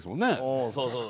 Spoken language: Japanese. うんそうそう。